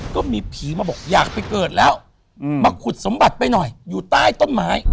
ก็มีผีมาบอกอยากไปเกิดแล้วมาขุดสมบัติไปหน่อยอยู่ใต้ต้นไม้